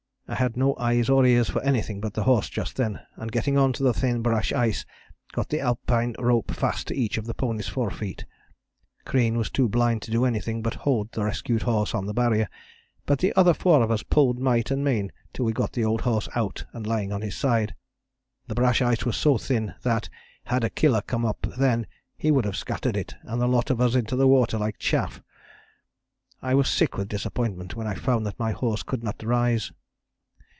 I had no eyes or ears for anything but the horse just then, and getting on to the thin brash ice got the Alpine rope fast to each of the pony's forefeet. Crean was too blind to do anything but hold the rescued horse on the Barrier, but the other four of us pulled might and main till we got the old horse out and lying on his side. The brash ice was so thin that, had a 'Killer' come up then he would have scattered it, and the lot of us into the water like chaff. I was sick with disappointment when I found that my horse could not rise.